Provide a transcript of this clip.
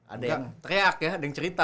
ada yang teriak ya ada yang cerita